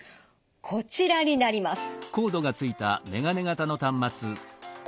こちらになります。